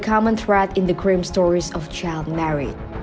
kelelahan adalah ancaman umum di krim cerita kelelahan anak